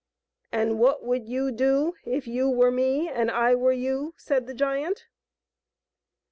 " And what would you do if you were me and I were you ?" said the giant.